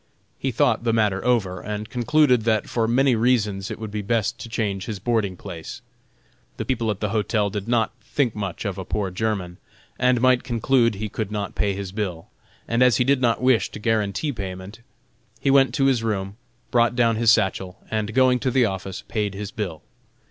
He thought the matter over, and concluded that for many reasons it would be best to change his boarding place. The people at the hotel did not think much of a poor German, and might conclude he could not pay his bill, and as he did not wish to guarantee payment, he went to his room, brought down his satchel, and going to the office, paid his bill.